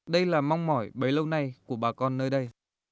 đây là mong mỏi bấy lâu nay của bà con nơi đây